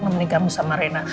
ngemenin kamu sama rena